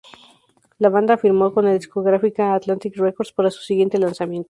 La banda firmó con la discográfica "Atlantic Records" para su siguiente lanzamiento.